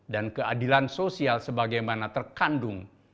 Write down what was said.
dan keadilan sosial sebagaimana terkandung